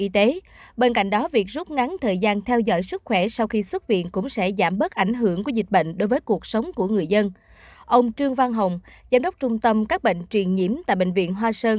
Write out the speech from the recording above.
ông trương văn hồng giám đốc trung tâm các bệnh truyền nhiễm tại bệnh viện hoa sơn